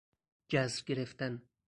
جذر گرفتن